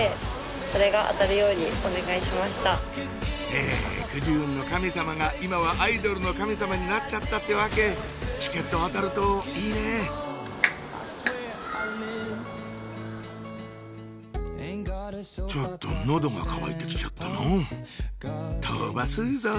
へぇくじ運の神様が今はアイドルの神様になっちゃったってわけチケット当たるといいねちょっと喉が渇いて来ちゃったな飛ばすぞ！